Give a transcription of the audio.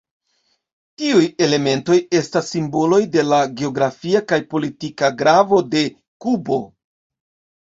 Tiuj elementoj estas simboloj de la geografia kaj politika gravo de Kubo.